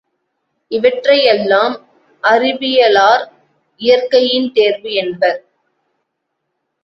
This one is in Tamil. இவற்றையெல்லாம் அறிவியலார் இயற்கையின் தேர்வு என்பர்.